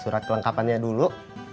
surat kelengkapannya dulu